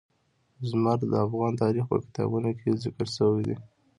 زمرد د افغان تاریخ په کتابونو کې ذکر شوی دي.